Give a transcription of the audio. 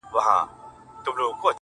خیال دي.